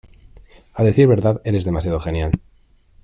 A decir verdad , eres demasiado genial .